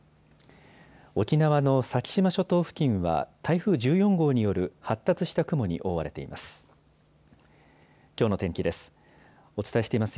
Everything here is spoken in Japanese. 沖縄の先島諸島付近は台風１４号による発達した雲に覆われています。